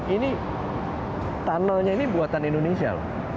ini tunnelnya ini buatan indonesia loh